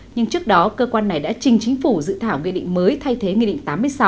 nhưng trước đó cơ quan này đã trình chính phủ dự thảo nghị định mới thay thế nghị định tám mươi sáu